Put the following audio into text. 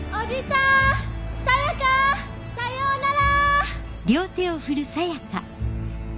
さようなら！